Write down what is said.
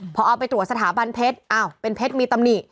พอเอาไปตรวจสถาบันเพชรอ้าวเป็นเพชรมีตำหนิ